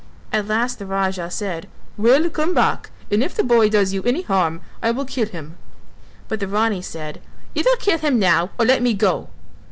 At last the Raja said "Well, come back and if the boy does you any harm I will kill him." But the Rani said. "Either kill him now or let me go."